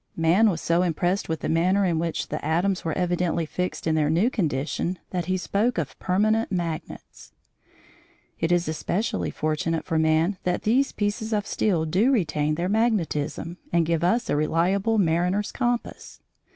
Man was so impressed with the manner in which the atoms were evidently fixed in their new condition that he spoke of permanent magnets. It is especially fortunate for man that these pieces of steel do retain their magnetism, and give us a reliable mariner's compass.